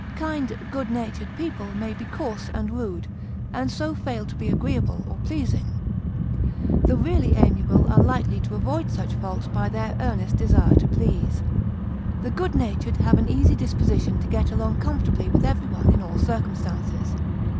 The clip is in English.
Kind, good natured people may be coarse and rude, and so fail to be agreeable or pleasing; the really amiable are likely to avoid such faults by their earnest desire to please. The good natured have an easy disposition to get along comfortably with every one in all circumstances.